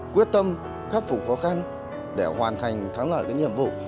quyết tâm khắc phục khó khăn để hoàn thành thắng lại cái nhiệm vụ